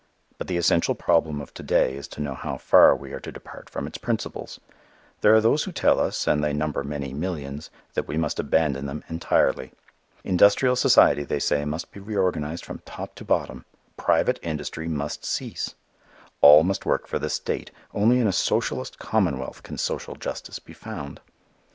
But the essential problem of to day is to know how far we are to depart from its principles. There are those who tell us and they number many millions that we must abandon them entirely. Industrial society, they say, must be reorganized from top to bottom; private industry must cease. All must work for the state; only in a socialist commonwealth can social justice be found.